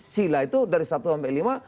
chila itu dari satu sampai lima